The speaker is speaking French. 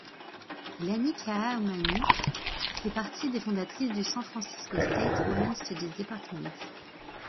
Lani Ka'ahumanu fait partie des fondatrices du San Francisco State Women Studies Department.